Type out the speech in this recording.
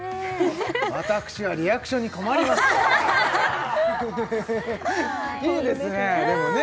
私はリアクションに困りますいいですね